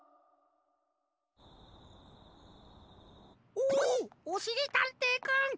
おおおしりたんていくん！